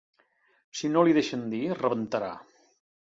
Si no li ho deixen dir, rebentarà.